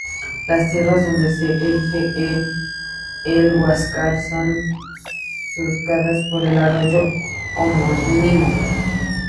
Las tierras donde se erige El Huáscar, son surcadas por el arroyo homónimo.